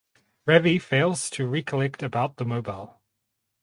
Ravi fails to recollect about the mobile.